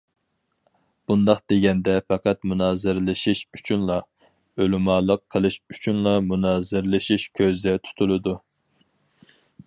بۇنداق دېگەندە پەقەت مۇنازىرىلىشىش ئۈچۈنلا، ئۆلىمالىق قىلىش ئۈچۈنلا مۇنازىرىلىشىش كۆزدە تۇتۇلىدۇ.